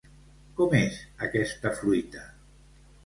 Com és aquesta fruita?